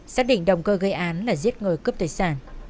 xác định động cơ gây án là giết người cướp tài sản